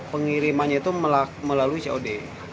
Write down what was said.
pengirimannya itu melalui cod